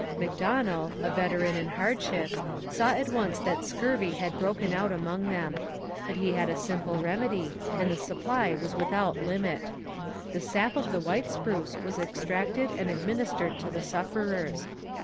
Macdonell, a veteran in hardship, saw at once that scurvy had broken out among them; but he had a simple remedy and the supply was without limit. The sap of the white spruce was extracted and administered to the sufferers.